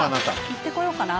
行ってこようかな。